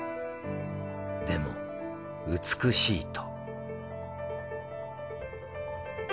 でも美しいと。